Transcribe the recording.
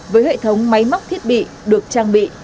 với hệ thống máy móc thiết bị được trang bị